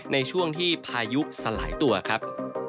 ในช่วงที่พายุสลายตัวครับ